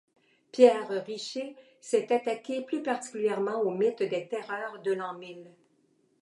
Pierre Riché s'est attaqué plus particulièrement au mythe des Terreurs de l'an mille.